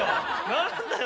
何だよ